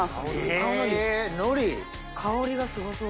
香りがすごそう。